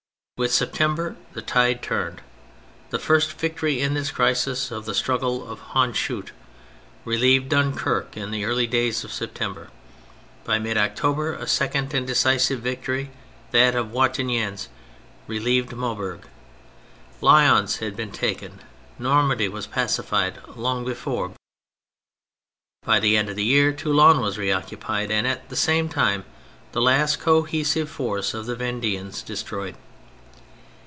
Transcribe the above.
With September the tide turned, the first victory in this crisis of the struggle, Hoondschoote, relieved Dunquerque in the early days of September. By mid October a second and decisive victory, that of Wat tignies, relieved Maubeuge. Lyons had been taken, Normandy was pacified long before; by the end of the year Toulon was reoccupied, and at the same time the last cohesive force of the Vendeans destroyed.